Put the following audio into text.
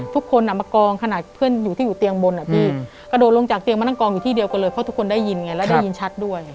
ทุกคนมากองขนาดเพื่อนอยู่ที่อยู่เตียงบนอ่ะพี่กระโดดลงจากเตียงมานั่งกองอยู่ที่เดียวกันเลยเพราะทุกคนได้ยินไงแล้วได้ยินชัดด้วย